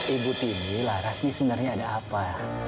ibu tidur lah rasmi sebenarnya ada apa